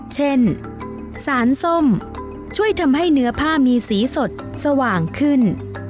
เช่นสารส้มช่วยทำให้เนื้อผ้ามีสีสดสว่างขึ้น